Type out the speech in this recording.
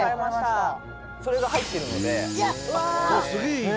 「それが入ってるので」